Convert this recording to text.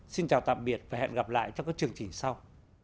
xin chào tạm biệt và hẹn gặp lại trong các chương trình sau